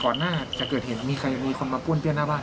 ก่อนหน้าจะเกิดเห็นมีคนมาป้นเกือบหน้าบ้านไหม